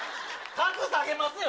株下げますよ。